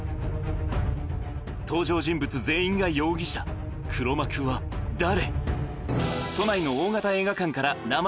登場人物全員が容疑者黒幕は誰？